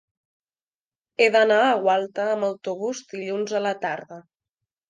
He d'anar a Gualta amb autobús dilluns a la tarda.